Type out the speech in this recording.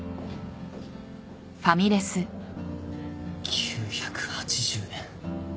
９８０円。